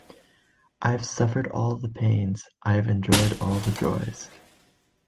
I have suffered all the pains, I have enjoyed all the joys.